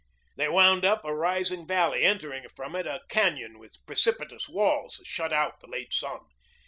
They wound up a rising valley, entering from it a cañon with precipitous walls that shut out the late sun.